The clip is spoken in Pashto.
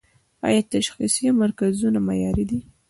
آیا تشخیصیه مرکزونه معیاري دي؟